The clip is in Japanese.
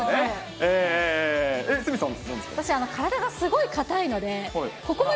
私、体がすごい硬いので、本当だ。